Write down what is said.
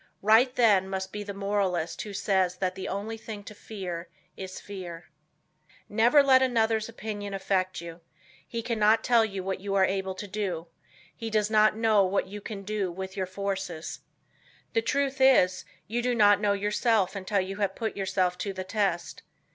Right, then, must be the moralist who says that the only thing to fear is fear. Never let another's opinion affect you; he cannot tell what you are able to do; he does not know what you can do with your forces. The truth is you do not know yourself until you put yourself to the test.